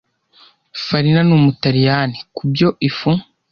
Farina ni umutaliyani kubyo Ifu